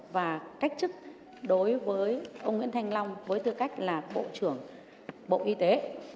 và cách chức đối với ông nguyễn thanh long với tư cách là bộ trưởng bộ y tế